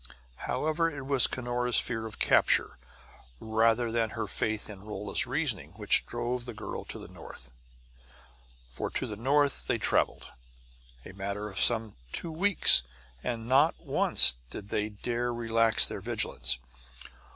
However, it was Cunora's fear of capture, rather than her faith in Rolla's reasoning, which drove the girl to the north. For to the north they traveled, a matter of some two weeks; and not once did they dare relax their vigilance.